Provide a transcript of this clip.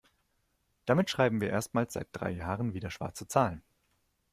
Damit schreiben wir erstmals seit drei Jahren wieder schwarze Zahlen.